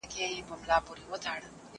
کېدای سي وخت لنډ وي!؟